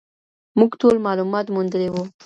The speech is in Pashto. موږ ټول معلومات موندلي وو.